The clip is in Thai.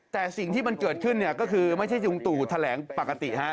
แต่สิ่งที่มันเกิดขึ้นเนี่ยก็คือไม่ใช่ลุงตู่แถลงปกติฮะ